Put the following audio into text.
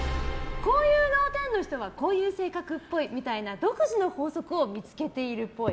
こういう脳天の人はこういう性格っぽいみたいな独自の法則を見つけているっぽい。